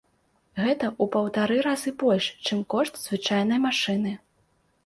Гэта ў паўтара разы больш, чым кошт звычайнай машыны.